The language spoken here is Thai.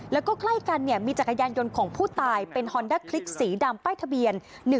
แล้วก็ใกล้กันมีจักรยานยนต์ของผู้ตายเป็นฮอนด้าคลิกสีดำป้ายทะเบียน